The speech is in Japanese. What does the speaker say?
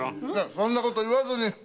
そんなこと言わずに！